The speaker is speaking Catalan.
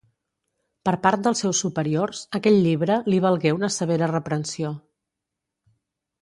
Per part dels seus superiors aquell llibre li valgué una severa reprensió.